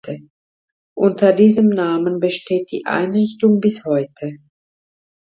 Unter diesem Namen besteht die Einrichtung bis heute.